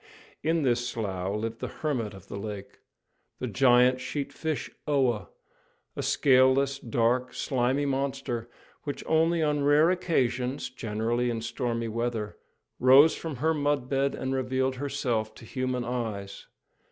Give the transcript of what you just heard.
In this slough lived the hermit of the lake, the giant sheat fish Oa, a scaleless, dark, slimy monster, which only on rare occasions, generally in stormy weather, rose from her mudbed and revealed herself to human eyes.